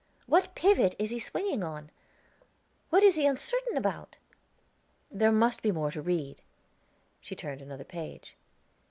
"What pivot is he swinging on? What is he uncertain about?" "There must be more to read." She turned another page.